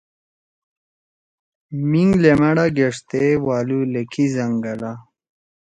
میِنگ لمیڑا گیݜتے والُو لکھی زنگللا